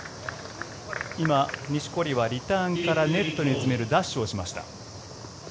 今、錦織はリターンからネットへ詰めるダッシュをしました。